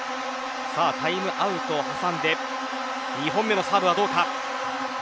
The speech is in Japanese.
タイムアウトを挟んで２本目のサーブはどうか。